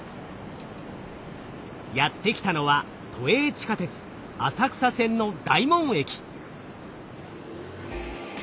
やって来たのは都営地下鉄浅草線の大門駅。